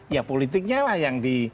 ya politiknya lah yang di